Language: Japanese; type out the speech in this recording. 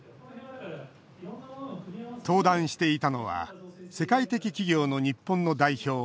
登壇していたのは世界的企業の日本の代表